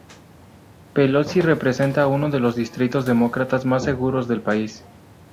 Pelosi representa a uno de los distritos demócratas más seguros del país.